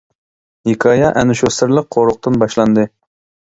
ھېكايە ئەنە شۇ سىرلىق قورۇقتىن باشلاندى.